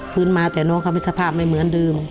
มาแต่น้องเขามีสภาพไม่เหมือนเดิม